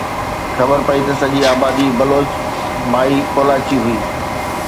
خبر پئي ته سڄي آبادي بلوچ مائي ڪولاچي هئي